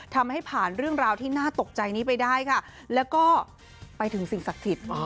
ทำให้ผ่านเรื่องราวที่น่าตกใจนี้ไปได้ค่ะแล้วก็ไปถึงสิ่งศักดิ์สิทธิ์